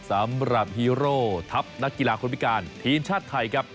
สำหรับฮีโรธับนักกีฬาคุณพิการธีนชาติไทยครับ